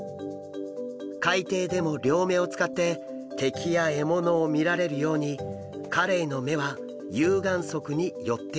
海底でも両目を使って敵や獲物を見られるようにカレイの目は有眼側に寄っているんです。